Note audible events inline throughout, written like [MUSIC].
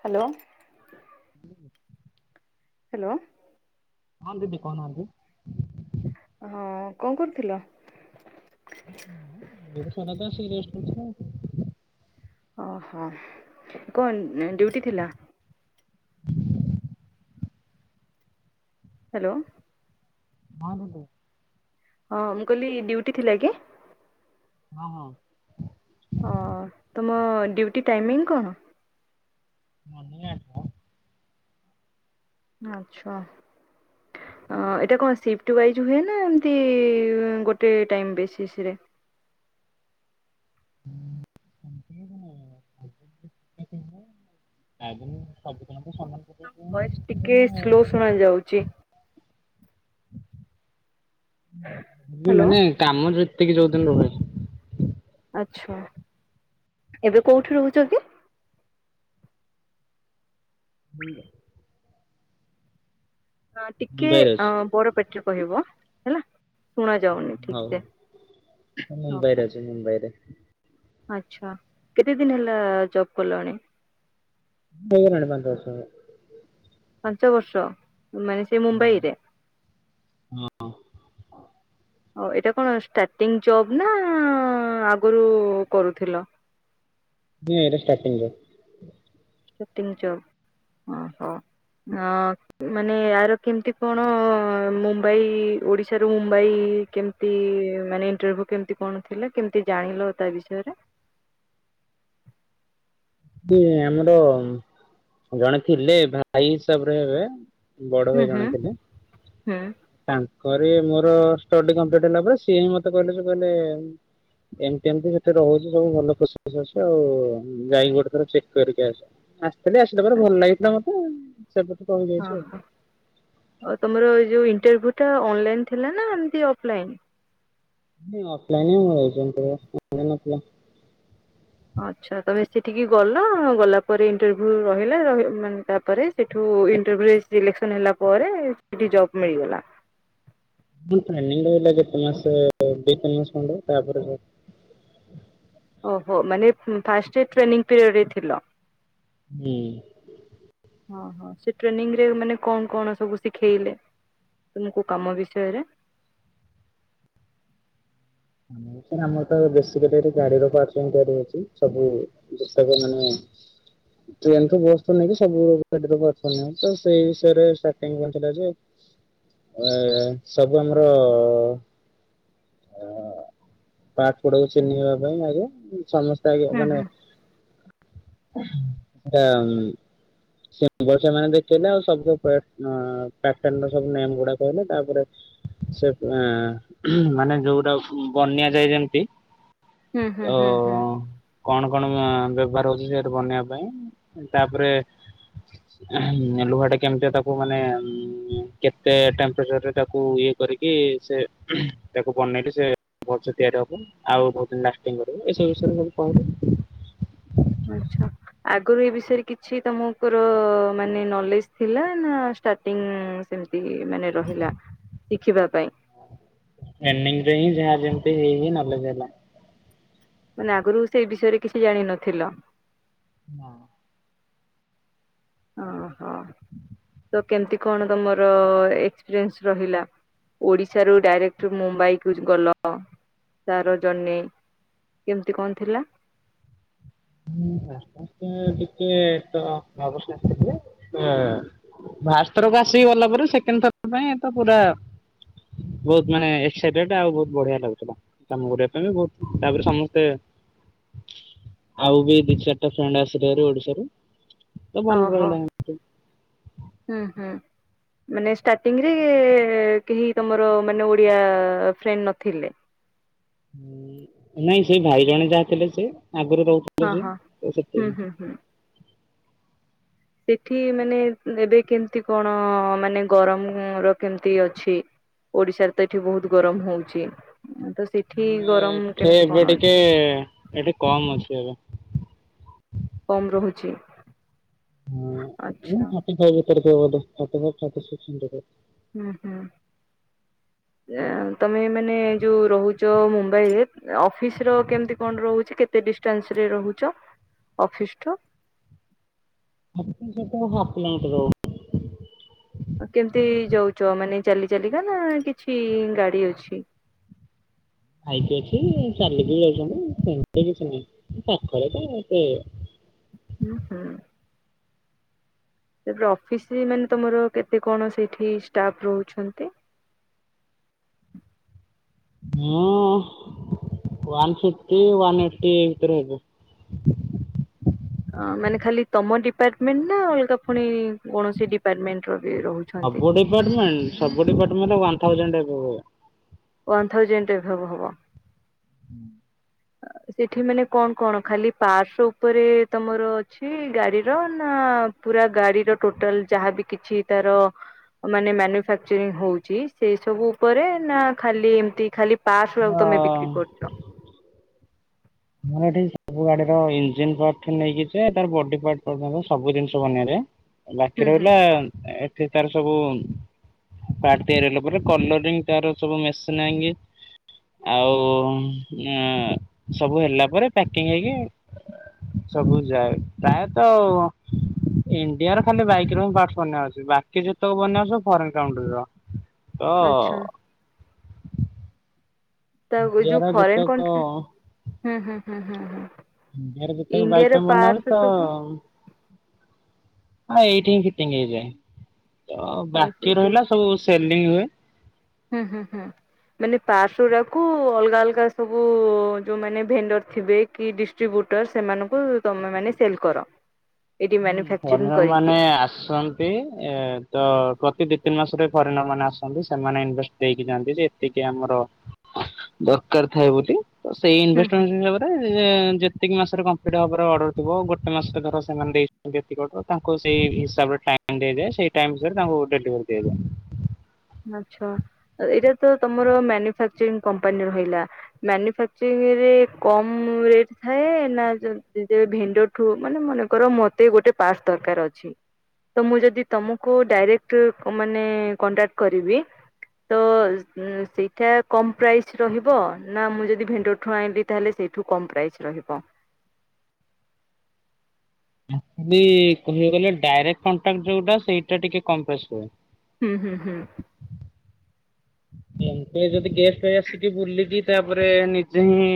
Hello. Hello. ହଁ ଦିଦି କହୁନାହାଁନ୍ତିି? ହଁ କଣ କରୁଥିଲ? [UNINTELLIGIBLE] ଓହୋ କଣ ଡ୍ୟୁଟି ଥିଲା? ହ୍ୟାଲୋ। ହଁ ଦିଦି। ହଁ ମୁଁ କହିଲି ଡ୍ୟୁଟି ଥିଲା କି? ହଁ ହଁ। ହ ତୁମ ଡ୍ୟୁଟି ଟାଇମିଂ କଣ? [UNINTELLIGIBLE] ଆଚ୍ଛା। ଏଇଟା କଣ ସିଫ୍ଟ ୱାଇଜ୍ ହୁଏ ନା ଏମିତି ଗୋଟେ ଟାଇମ୍ ବେସିସ୍ ରେ? ଆଜ୍ଞା ସବୁଦିନେ ତ ସମାନ ସିଫ୍ଟିଙ୍ଗ ଥାଏ। ଭଏସ୍ ଟିକେ ସ୍ଲୋ ଶୁଣା ଯାଉଛି। ହ୍ୟାଲୋ। ମାନେ କାମ ଯେତିକି ଯୋଉ ଦିନ ରୁହେ। ଆଚ୍ଛା ଏବେ କୋଉଠି ରହୁଛକି? [INAUDIBLE] ହଁ ଟିକେ ମୁମ୍ବାଇରେ ଅ ଅଛି ବଡପାଟିରେ କହିବ ହେଲା। ଶୁଣା ଯାାଉନି ଠିକ୍ ହଉ ସେ। ମୁଁ ମୁମ୍ବାଇରେ ଓକେ। ଅଛି ମୁମ୍ବାଇରେ। ଆଚ୍ଛା, କେତେ ଦିନ ହେଲା ଜବ୍ କଲଣି? ହେଇଗଲାଣି ପାଞ୍ଚ ବର୍ଷ। ପାଞ୍ଚ ବର୍ଷ, ମାନେ ସେ ହୁଁ, ମୁମ୍ବାଇରେ? ହଁ ଓ ଏଇଟା କଣ ଷ୍ଟାର୍ଟିଂ ଜବ ନା ଆଗରୁ କରୁଥିଲ? [UNINTELLIGIBLE] Starting job. [UNINTELLIGIBLE] ଓହୋ [UNINTELLIGIBLE] ମାନେ ଆର କେମତି କଣ ମୁମ୍ବାଇ ଓଡିଶାରୁ ମୁମ୍ବାଇ କେମ [UNINTELLIGIBLE] ମାନେ ଇଣ୍ଟରଭ୍ୟୁ କେମିତି କଣ ଥିଲେ, କେମିତି ଜାଣିଲ ତା ବିଷୟରେ? [UNINTELLIGIBLE] ଆମର ଜଣେ ଥିଲେ ଭାଇ ହିସାବରେ ହେବେ, ବଡ଼ ହୁଁ ଭାଇ ଜଣେ ହୁଁ ଥିଲେ। ହୁଁ ତାଙ୍କରି ମୋର ଷ୍ଟଡି କମ୍ପ୍ଲିଟ ହେଲା ପରେ ସିଏ ହିଁ ମତେ କହିଲେ [UNINTELLIGIBLE] ଏମତି ଏମିତି ସେଠେ ରହୁଛି ସବୁ ଭଲ ଖୁସି ଖସ ଅଛି ଆଉ ଯାଇକି ଗୋଟେ ଚେକ କରିକି ଆସ, ଆସିଥିଲି ଆସିଲା ପରେ ଭଲ ଲାଗିଥିଲା ମତେ, ସେବେଠୁ ତ ଏଇ ହଁ ହ। ଆଉ ତମର ଯୋଉ ଇଣ୍ଟରଭ୍ୟୁ ଟା ଅନଲାଇନ ଥିଲା ନା ଏମତି ଅଫଲାଇନ୍? [UNINTELLIGIBLE] ଆଚ୍ଛା ତମେ ସେଠିକି ଗଲ, ଗଲା ପରେ ଇଣ୍ଟରଭ୍ୟୁ ରହିଲା, ମାନେ ତାପରେ ସେଠୁ [UNINTELLIGIBLE] ସିଲେକ୍ସନ ହେଲା ପରେ ସେଠି ଜବ୍ ମିଳିଗଲା। [UNINTELLIGIBLE] ଟ୍ରେନିଙ୍ଗ ରହିଲା କେତେ ମାସ ଦୁଇ ତିି ମାସ ଖଣ୍ଡ ତାପରେ [UNINTELLIGIBLE] ଓହୋ ମାନେ [UNINTELLIGIBLE] ଫାଷ୍ଟେ ଟ୍ରେନିଙ୍ଗ ପିରିୟଡ଼ରେ ଥିଲ? ହୁଁ। [INAUDIBLE] ହଁ ହଁ ସେ ଟ୍ରେନିଂ ରେ ମାନେ କଣ କଣ ସବୁ ଶିଖେଇଲେ? ତମକୁ କୋଉ କାମ ବିଷୟରେ? [UNINTELLIGIBLE] ଅଛି ସବୁ [INAUDIBLE] [INAUDIBLE] ଟ୍ରେନ ରୁ [UNINTELLIGIBLE] [UNINTELLIGIBLE] ସବୁ ଆମର ଓ ପାର୍ଟ ଗୁଡାକୁ ଚିହ୍ନେଇବା ପାଇଁ ଆଗେ ସମସ୍ତେ ହୁଁ ହୁଁ [UNINTELLIGIBLE] [UNINTELLIGIBLE] ସେ [UNINTELLIGIBLE] ମାନେ [UNINTELLIGIBLE] ଯାଏ ଯେମତି ହୁଁ ହୁଁ ହୁଁ ହୁଁ [UNINTELLIGIBLE] କଣ କଣ ବ୍ୟବହାର ହଉଛି ସେଠ ବନେଇବା ପାଇଁ, ତାପରେ ଲୁହା ଟା କେମିତି ତାକୁ ମାନେ କେତେ ଟମ୍ପଚରରେ ତାକୁ ଇ କରିକି ସେ ବନେଇଲି ସେ ଭଲସେ ତିଆରି ହବ ଆଉ ବହୁତ ଦିନ ଲାଷ୍ଟିଙ୍ଗ କରିବ ଏସବୁ ବିଷୟରେ କହିଲେ। ଆଛା। ଆଗରୁ ଏ ବିଷୟରେ କିଛି ତମଙ୍କର ମାନେ ନଲେଜ ଥିଲା, ନା ଷ୍ଟାର୍ଟିଙ୍ଗ ସେମିତି ମାନେ ରହିଲା ଶିଖିବା ପାଇଁ? ଟ୍ରେନିଂରେ ହୀଂ ଯାହା ଯେମିତି ହେଇ ହେଇ ନାଲେଜ୍ ହେଲା। ମାନେ ଆଗରୁ ସେଇ ବିଷୟରେ କିଛି ଜାଣିନଥିଲ? ହଁ। ଓହ। ତ କେମତି କଣ ତମର ଏସପିରିଏନ୍ସ ରହିଲା? ଓଡିଶାରୁ ଡାଇରେକ୍ଟ ମୁମ୍ବାଇକୁ ଗଲ ତାର ଜର୍ନି କେମିତି କଣ ଥିଲା? ହୁଁ ଆସ୍ତେ ଆସ୍ତେ ଟିକେ ତ ନର୍ଭ୍ସ ନେସ ଥିଲା। ଫାଷ୍ଟ ଥରକୁ ଆସିକି ଗଲା ପରେ ସେକଣ୍ଡ ଥର ପାଇଁ ତ ପୁରା ବହୁତ ମାନେ ଏକ୍ସାଇଟେଡ ଆଉ ବହୁତ ବଢିଆ ଲାଗୁଥିଲା। ତାମ କରିବା ପାଇଁ ବି ବହୁତ ତାପରେ ସମସ୍ତେ ଆଉ ବି ଦି ଚାରଟା ଫ୍ରେଣ୍ଡ ଆସିଲେ ହେରି ଓଡିଶାରୁୁ। ଓହୋ ହୁଁ ହୁଁ। ମାନେ ଷ୍ଟାର୍ଟିଂରେ କେହି ତମର ମାନେ ଓଡ଼ିଆ ଫ୍ରେଣ୍ଡ ନଥିଲେ। ନାଇଁ ସେ ଭାଇ ଜଣେ ଯାହା ଥିଲେ ସେ ଆଗରୁ ରହୁଥିଲେ ହଁ ହଁ ସେ ହୁଁ ସେଥିାଇଁ। ହୁଁ ହୁଁ। ସେଠି ମାନେ ଏବେ କେମିତି କଣ ମାନେ ଗରମ ର କେମିତି ଅଛି? ଓଡିଶାରେ ତ ଏଠି ବହୁତ ଗରମ ହଉଛି ତ ସେଠି ମାନେ ଗରମ ଏଠି କେମିତି ଏବେ କଣ ଟିକେ ଅଛି? ଏଠି କମ ଅଛି ଏବେ। କମ୍ ରହୁଛି? ହଁ ଆଚ୍ଛା ଥାର୍ଟୀ ଫାଇବ ଭିତରେ ଥିବ ବୋଧେ ଥାର୍ଟି, ଥାର୍ଟୀ ପାଇବ ଥାର୍ଟୀ ସିକ୍ସ୍। ହୁଁ ହୁଁ, ଯେ ତମେ ମାନେ ଯୋଉ ରହୁ ଛ ମୁମ୍ବାଇରେ ଅଫିସ ର କେମତି କଣ ରହୁଛି କେତେ ଡିଷ୍ଟାନ୍ସ ରେ ରହୁଛ? Office to. ଅଫିସରୁ ହାଫ୍ କିଲୋ ମିଟର ହବ। କେମିତି ଯାଉଛ ମାନେ ଚାଲି ଚାଲିକା ନା କିଛି ଗାଡି ଅଛି? ବାଇକି ଅଛି ଚାଲିକି ବି ଯାଉଛନ୍ତି ସେମତି କିଛି ନାଇଁ ପାଖରେ ତ ଏତେ ହୁଁ ହୁଁ। ସେ ଅଫିସ ମାନେ ତମର କେତେ କଣ ସେଇଠି ଷ୍ଟାଫ ରହୁଛନ୍ତି? ହଁ ୱାନ ଫିଫ୍ଟି ୱାନ୍ ଏଇଟି ଭିତରେ ହବ। ଅ ମାନେ ଖାଲି ତମ ଡିପାର୍ଟମେଣ୍ଟ ନା ଅଲଗା ପୁଣି କୌଣସି ଡିପାର୍ଟମେଣ୍ଟ ର ବି ରହୁ ସବୁ ଡିପାର୍ଟମେଣ୍ଟ ସବୁ ଡିପାର୍ଟମେଣ୍ଟ ର ୱାନ ଥାଉଯେଣ୍ଟ ହେବେ ବୋଧେ। ୱାନ୍ ଥାଉଜେଣ୍ଡ ଏଭବ ହେବ। ହୁଁ। ସେଠି ମାନେ କଣ କଣ ଖାଲି ପାର୍ଟସ ଉପରେ ତମର ଅଛି ଗାଡିର ନା ପୁରା ଗାଡିର ଟୋଟାଲ ଯାହାବି କିଛି ତାର ମାନେ ମାନୁଫାକ୍ଚରିଂ ହଉଛି ସେଇ ସବୁ ଉପରେ ନା ଖାଲି ଏମତି ଖାଲି ପାର୍ଟସ ଗୁଡାକ ତମେ ବିକ୍ରି ହଁ। କରୁଛ? ଆମର ଏଠି ସବୁ ଗାଡିର ଇଞ୍ଜିିନ ପାର୍ଟ ନେଇକି ତାର ବଡି ପାଟ ସବୁ ଜିନିଷ ବନିଆରେ। ବାକି ହୁଁ ହୁଁ ରହିଲା ଏଠି ତାର ସବୁ ପାର୍ଟ ତିଆରି ହେଲା ପରେ କଲରିଂ ତାର ସବୁ ମେସିନ୍ ଆ ଆଉ ସବୁ ହେଲା ପରେ ପ୍ୟାକିଂ ହେଇକି ସବୁ ଯାଏ ପ୍ରାୟତ ଇଣ୍ଡିଆର ଖାଲି ବାଇକ ପାର୍ଟସ ବାନାହଉଛି ବାକି ଯେତେକ ବନାହଉଚି ସବୁ ଫରେନ୍ କଣ୍ଟ୍ରୀ ର। ଓ। ଆଚ୍ଛା ତା ଏ ଇଣ୍ଡିଆର ଯୋଉ ଫରେନ୍ ଯେତେକ କଣ୍ଟ୍ରି ହଁଁ ହଁ ହଁ। କାର ଯେତେବେଳେ ବାଇକ ପାଇଁ ବନାହଉଚି ତ ସବୁ ହଁ ଏଇଠି ହିଁ ଫିଟ୍ଟିଂ ହେଇଯାଏ। ତ ଆଉ ବାକି ସେଇଠି ରହିଲା ସବୁ ସେଲିଙ୍ଗ ହୁଏ। ହୁଁ ହୁଁ ହୁଁ। ମାନେ ପାର୍ଟିସ ଗୁଡାକୁ ଅଲଗା ଅଲଗା ସବୁ ଯୋଉ ମାନେ ଭେଣ୍ଡର ଥିବେ କି ଡିସ ଟିବୁଟର ସେମାନଙ୍କୁ ତମେ ମାନେ ସେଲ କର। ଏଇଠି ହୁଁ ଫରେନ୍ ମାନୁଫାକ୍ଚରିଂ ନର କରିକି। ମାନେ ଆସନ ନ୍ତି ତ ପ୍ରତି ଦିଇ ତିନି ମାସରେ ଫରେନର ମାନେ ଆସନ୍ତି ସେମାନେ ଇନଭେଷ୍ଟ ଦେଇକି ଯାଆନ୍ତି ଯେ ଟିକେ ଆମର ଦରକାର ଥାଏ ବୋଲି ତ ସେଇ ହୁଁ ଇନଭେଷ୍ଟ ହୁଁ ମେଣ୍ଟ ତାଏ ଯେତିକି ମାସରେ କମ୍ପ୍ଲିଟ ହବର ଅର୍ଡର ଥିବ ଗୋଟେ ମାସରେ ଧର ସେମାନେ ଦେଇ ଯେତିକ ତାଙ୍କୁ ସେଇ ହିସାବରେ ଟାଇମ ଦେଇ ଦିଆ ଯାଏ ସେଇ ଟାଇମ ଭିତରେ ତାଙ୍କୁ ଡେଲିଭେରି ଦିଆଯାଏ। ମାଛ ଏଇଟା ତ ତମର ମାନୁଫାକ୍ଚରିଂ କମ୍ପାନୀ ରହିଲା। ମନୁଫେକ୍ଚରିଂ ରେ କମ ରେଟ ଥାଏ ନା ଯେ ଭେଣ୍ଡ ଠୁ ମାନେ ମନେକର ମତେ ଗୋଟେ ପର୍ଟ୍ସ ଦରକାର ଅଛି। ତ ମୁଁ ଯଦି ତମକୁ ଡାଇରେକ୍ଟ ମାନେ କଣ୍ଟାକ୍ଟ କରିବି। ତ ସେଇଟା ଉ କମ ପ୍ରାଇସ ରହିବ ନା ମୁଁ ଯଦି ଭେଣ୍ଡଠୁ ଆଣିଲି ତାହେଲେ ସେ ଏଠୁ କମ୍ ପ୍ରାଇସ୍ ରହିବ। ଦି କହିବା ଗଲେ ଡାଇକ୍ଟ କଣ୍ଟାକ୍ଟ ଯୋଉଟା ସେଇଟା ଟିକେ [UNINTELLIGIBLE] ଆସିବ। ହୁଁ ହୁଁ ହୁଁ। ଯଦି ଗେଷ୍ଟ ଭାଇ ଆସିକି ବୁଲିକି ତାପରେ ନିଜେ ହିଁ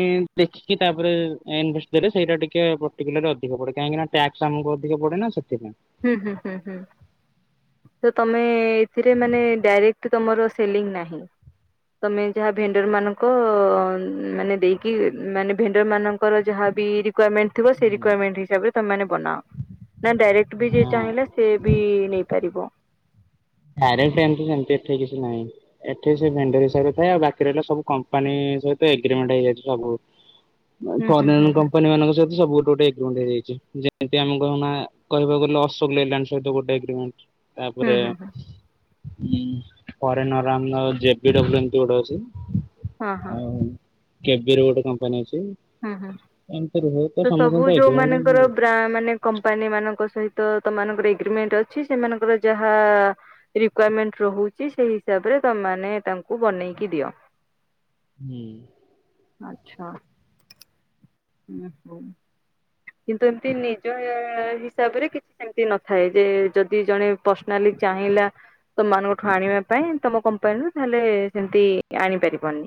ଦେଖିକି ତାପରେ ଇନଭେଷ୍ଟ ଦେଲେ ସେଇଟା ଟିକେ ପର୍ଟିକୁଲାର ଅଧିକ ପଡେ କାହିଁକି ନା ଟ୍ୟାକ୍ସ ଆମକୁ ଅଧିକ ପଡେ ନା ସେଥିପାଇଁ। ହୁଁ ହୁଁ ହୁଁ ହୁଁ। ତ ତମେ ଏଥିରେ ମାନେ ଡାଇରେକ୍ଟ ତମର ସେଲିଙ୍ଗ ନାହିଁ। ତମେ ଯାହା ଭେଣ୍ଡର ମାନଙ୍କ ମାନେ ଦେଇକି ମାନେ ଭେଣ୍ଡର ମାନଙ୍କ ର ଯାହା ବି ରିକ୍ଯୁମେଣ୍ଟ ଥିବ ସେ ହୁଁ। ରିକ୍ଯୁମେଣ୍ଟ ହିସାବରେ ତମେ ମାନେ ବନାଅ ନା ଡାଇରେକ୍ଟ ବି ଯେ ହଁ ଚାହିଁଲା ସେ ବି ନେଇପାରିବ। ଆରେ ସେମିତି ସେମିତି ଏଠି କିଛି ନାହିଁ। ଏଠି ସେ ଭେଣ୍ଡେର ସହିରେ ଥାଏ ଆଉ ବାକି ରହିଲା ସବୁ କମ୍ପାନୀ ସହି ଏଗ୍ରିମେଣ୍ଟ ହେଇଯାଇଛି ସବୁ ହୁଁ ହୁଁ ହୁଁ ଫରେନ ହୁଁ କମ୍ପାନୀ ମାନଙ୍କ ସହିତ ସବୁ ଗୋଟେ ଗୋଟେ ଇ ଯେମିତି ଆମେ କହହୁ କହକୁ ଗଲେ ଅଶୋକ ଲେଲାଣ୍ଡ ସହିତ ଗୋଟେଗିମେଣ୍ଟ ହୁଁ ତାପରେ ହୁଁ ହୁଁ ଫରେନରମ ଜେ ବି ଦବୁଲୁ ଏମତି ଗୋଟେ ଅଛି ହଁ ହଁ ଆଉ କେବି ର ଗୋଟେ କମ୍ପାନୀ ଅଛି। ହୁଁ ହୁଁ ଏମିତି ରୁହେ ତ ସବୁ ସମସ୍ତଙ୍କ ଯୋଉ ଏଗ୍ରିମେଣ୍ଟ ମାନଙ୍କର ଵା ମାନେ କମ୍ପାନୀ ମାନଙ୍କ ସହିତ ତମାନଙ୍କର ଏଗ୍ରିମେଣ୍ଟ ଅଛି ସେମାନଙ୍କର ଯାହା ରିକୁମେଣ୍ଟ ରହୁଛି ସେଇ ହିସାବରେ ତମେମାନେ ତାଙ୍କୁ ବନେଇକି ଦିଅ। ହୁଁ। ଆଚ୍ଛା ଉଁ ହୁଁ। କିନ୍ତୁ ଏମିତି ନିଜ ହିସାବରେ କିଛି ସେମିତି ନଥାଏ ଯେ ଯଦି ଜଣେ ପର୍ସନାଲି ଚାହିଁଲା। ତମମାନଙ୍କଠୁ ଆଣିବା ପାଇଁ ତମ କମ୍ପାନୀରୁୁ ତାହଲେ ସେମିତି ଆଣିପାରିବନି।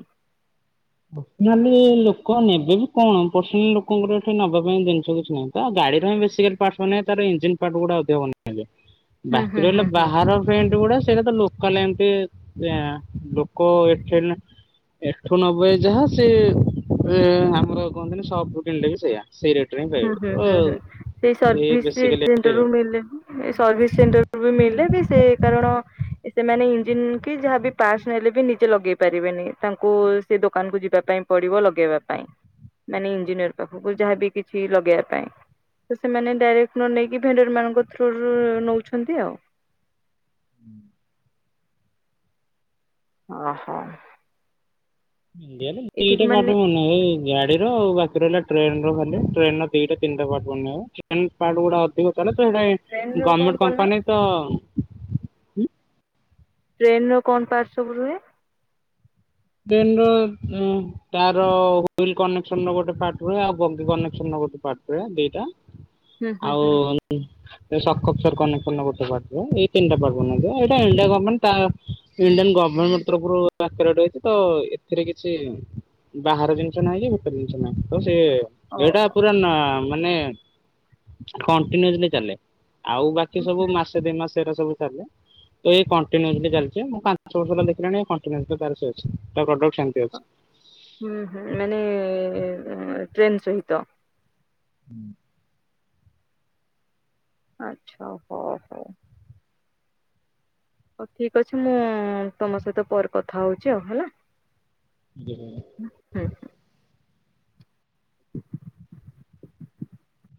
ମାନେ ଲୋକ ନେବେନି କଣ ପର୍ସନାଲି ଲୋକଙ୍କର ଏଠି ନବା ପାଇଁ ଜିନିଷ କିଛି ନାହିଁ। ତ ଗାଡିର ହଁ ବିକା ପାର୍ ତାର ଇଞନି ପାର୍ଟ ଗୋଡ଼ା [UNINTELLIGIBLE] [INAUDIBLE] ବାକି ରହିଲା ହୁଁ ହୁଁ। ବାହାର ପେଣ୍ଟ ଗୁଡା ସେଇଟା କଲେ ଏମତି ଏ ଲୋକ ଏଠୁ ନେବେ ଯାହା ସେ ଉ ଆମର କୁହନ୍ତିନ ସପ ରୁ କିଣିଲେ କି ସେଇଆ। ସେଇରେଟ୍ ରେ ହିଁ। ପାଇବେ ହୁଁ ହୁଁ ତ ହୁଁ ହୁଁ ସେଇ ସେ ସର୍ଭିସି ସେଣ୍ଟର ବେସିକାଲି ରୁ ସେଇ ସର୍ଭିସ ସେଣ୍ଟର ରୁ ବି ମିଳିଲେ ବି ସେ କାରଣ। ସେମାନେ ଇଞ୍ଜିିନ କି ଯାହାବି ପାଟ୍ସ ନେଲେ ବି ନିଜେ ଲଗେଇ ପାରିବେନି ତାଙ୍କୁ ସେଇ ଦୋକାନକୁ ଯିବା ପାଇଁ। ପଡିବ ଲଗେଇବା ପାଇଁ ମାନେ ଇଞ୍ଜିନିୟର ପାଖକୁ ଯାହାବି କିଛି ଲଗେଇବା ପାଇଁ। ତ ସେମାନେ ଡାଇରେକ୍ଟ ନ ନେଇକି ଭେଣ୍ଡର ମାନଙ୍କ ଥ୍ରୁରୁ ନଉଛନ୍ତି ଆଉ। ଓହୋ। ଇଣ୍ଡିଆ ରେ ଦିଟା ଏଠିକୁ ପାଟ୍ ମାନେ ହୁଏନା। ଏଇ ଗାଡି ର ଆଉ ବାକି ରହିଲା ଟ୍ରେନ ର ଖାଲି ଟ୍ରେନ ର ଦିଟା ତିନିଟା ପାର୍ଟ ବନା ହୁଏ ଟ୍ରେନ ପାର୍ଟ ଗୁଡା ଅଧିକ। କଲେ ସେ ଗୋଟାଏ ଟ୍ରେନ ର କଣ ଗର୍ମେଣ୍ଟ କଣ? କମ୍ପାନୀ ତ। ଟ୍ରେନ ର କଣ ପାର୍ଟ ସବୁ ରୁହେ। ଟ୍ରେନ ର ଏଁ। ତାର ହୁଇଲି୍ କନେକ୍ସନ ର ଗୋଟେ ପାର୍ଟ ହୁଏ ଆଉ ବଗି କନେକ୍ସନ ର ଗୋଟେ ପାର୍ଟ ହୁଏ ଦିଟା। ହଁ ଆଉ ଉଁ। ସେ ସକପଚର୍ କନେକସନ୍ ର ଗୋଟେ ପାର୍ଟ ହୁଏ ଏଇ ତିନିଟା ପାର୍ଟ ବନେଇଥାଏ ଏଇଟା ଇଣ୍ଡିଆ ଗମେଣ୍ଟ ତା। ଇଣ୍ଡିଆନ୍ ଗଭରମେଣ୍ଟ ତରଫରୁ ଆକୁରେଟ ହେଇଛି। ତ ଏଥିରେ କିଛି ବାହାର ଜିନିଷ ନାହିଁ କି ଭିତର ଜିନିଷ ନାହିଁ ତ ସେ ଇଏଟା। ଓହୋ ପୁରା ନା ମାନେ କଣ୍ଟିନିଓସଲି ଚାଲେ। ଆଉ ବାକି ହୁଁ ସବୁ ହୁଁ। ମାସେ ଦି ମାସ ଏରା ସବୁ ଚାଲେ। ତ ଏଇ କଣ୍ଟିନିଓସଲି ଚାଲିଛି ମୁଁ ପାଞ୍ଚ ଛ ବର୍ଷ ହେଲା ଦେଖିଲାଣି କଣ୍ଟିନିଓସଲି ତାର ସେ ପ୍ରଡକ୍ଟ ସେମିତି। ଅଛି ହୁଁ ହୁଁ ମାନେ ଟ୍ରେନ୍ ସହିତ। ହୁଁ। ଆଛା ହଉ ହଉ। ହଉ ଠିକ ଅଛି ମୁଁ ତମ ସହିତ ପରେ କଥା ହଉଛି ଆଉ ହେଲା। ହୁଁ। ହୁଁ ହୁଁ। [UNINTELLIGIBLE]